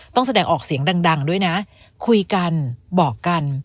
ต้องแสดงออกเสียงดังด้วยนะคุยกันบอกกัน